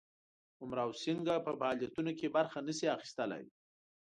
امراو سینګه په فعالیتونو کې برخه نه سي اخیستلای.